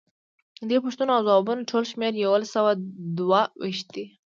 ددې پوښتنو او ځوابونو ټول شمیر یوسلو دوه ویشت دی.